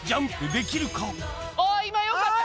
今よかった。